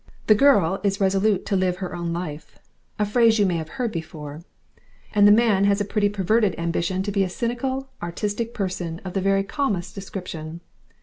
The girl is resolute to Live Her Own Life, a phrase you may have heard before, and the man has a pretty perverted ambition to be a cynical artistic person of the very calmest description.